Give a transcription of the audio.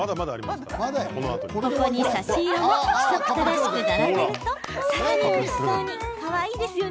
ここに、差し色も規則正しく並べるとさらにおいしそうに。